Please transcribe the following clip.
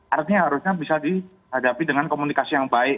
artinya harusnya bisa dihadapi dengan komunikasi yang baik